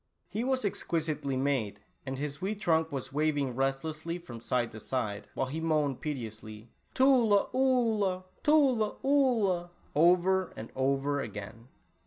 ! He was exquisitely made and his wee trunk was wavimr restlesslv from side to side, while he 46 Tula Oolah. moaned piteously, " Tula Oolah, Tula Oolah," over and over again.